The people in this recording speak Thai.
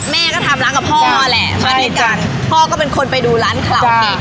แม่ก็ทำร้านกับพ่อแหละใช่จ้ะพ่อก็เป็นคนไปดูร้านคาราโอเคจ้ะ